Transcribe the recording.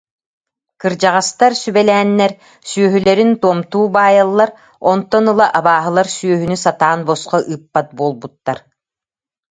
Кырдьаҕастар сүбэлээннэр, сүөһүлэрин туомтуу баайаллар, онтон ыла абааһылар сүөһүнү сатаан босхо ыыппат буолбуттар